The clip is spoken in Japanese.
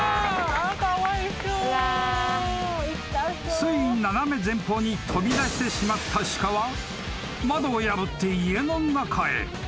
［つい斜め前方に飛び出してしまった鹿は窓を破って家の中へ］